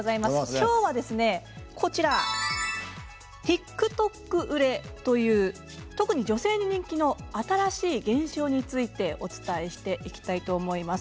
きょうはですねＴｉｋＴｏｋ売れという特に女性に人気の新しい現象についてお伝えしていきたいと思います。